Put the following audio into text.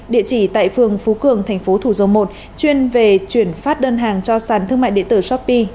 địa chỉ tại phường phú cường tp thủ dầu một chuyên về chuyển phát đơn hàng cho sản thương mại điện tử shopee